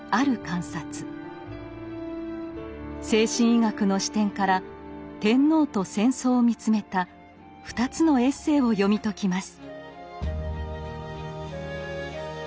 精神医学の視点から「天皇」と「戦争」を見つめた２つのエッセイを読み解きます。